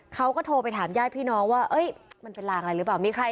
เขาก็โทรไปถามญาติพี่น้องว่ามันเป็นรางอะไรหรือเปล่ามีใคร